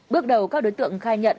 bước đầu các đối tượng khai nhận